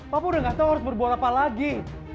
papa udah gak tau harus berbuat apa lagi